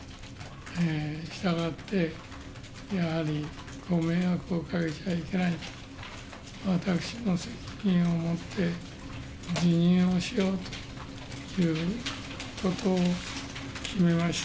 したがって、やはりご迷惑をかけちゃいけないと、私の責任を持って辞任をしようということを決めました。